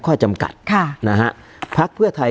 การแสดงความคิดเห็น